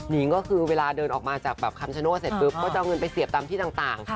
นิงก็คือเวลาเดินออกมาจากแบบคำชโนธเสร็จปุ๊บก็จะเอาเงินไปเสียบตามที่ต่าง